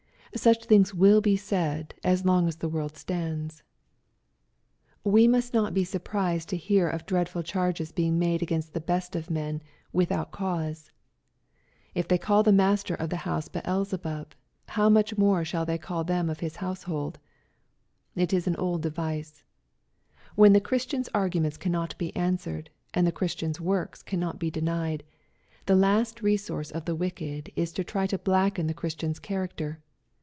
Such thmgs vnll be said as long as the world stands. 6* 130 SZP08IT0BY THOUGHTH. We must never be surprised to hear of dreadful charges being made against the best of men, without cause. ^^ If they called the Master of the house Beelze bub^ how much more shall they call them of his house hold ?"— ^It is an old device. When the Christian's arguments cannot be answered, and the Christian's works cannot be denied, the last resource of the wicked is to try to blacken the Christian's character.